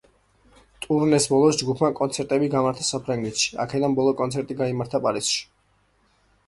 ტურნეს ბოლოს ჯგუფმა კონცერტები გამართა საფრანგეთში, აქედან ბოლო კონცერტი გაიმართა პარიზში.